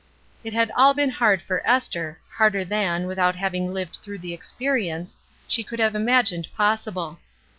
It had all been hard for 314 ESTER RIED'S NAMESAKE Esther, harder than, without having lived through the experience, she could have imagined possible.